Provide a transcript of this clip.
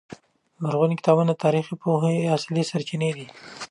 لرغوني کتابونه د تاریخ د پوهې اصلي سرچینې دي.